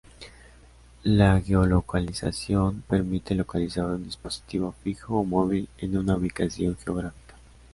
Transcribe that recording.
La geolocalización permite localizar un dispositivo fijo o móvil en una ubicación geográfica.